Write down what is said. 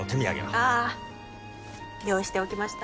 ああ用意しておきました。